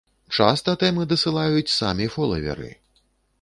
Часта тэмы дасылаюць самі фолаверы.